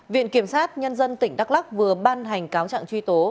viện kiểm sát nhân dân tỉnh đắk lắc vừa ban hành cáo trạng truy tố